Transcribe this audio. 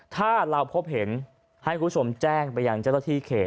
ถ้าเราพบเห็นให้คุณผู้ชมแจ้งไปยังเจ้าหน้าที่เขต